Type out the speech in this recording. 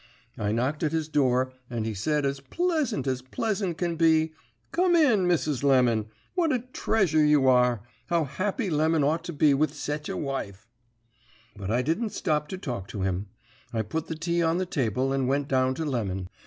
I knocked at his door, and he said as pleasant as pleasant can be, 'Come in, Mrs. Lemon. What a treasure you are! How happy Lemon ought to be with sech a wife!' "But I didn't stop to talk to him. I put the tea on the table and went down to Lemon.